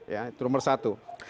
ya itu nomor satu